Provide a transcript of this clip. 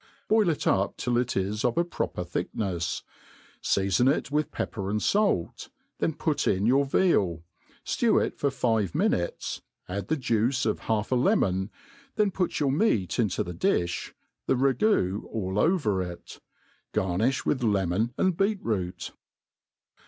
boil it up till it is of a proper thicknefs ; feafon it with pepper and (alt, then put in your veal, ftew it for five minutes, add the juice of half a le mon, then put your meat into the diih, the ragoo all over iu Oarnifk with lemon and beet root.